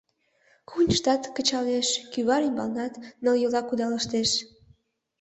Кухньыштат кычалеш, кӱвар ӱмбалнат нылйола кудалыштеш.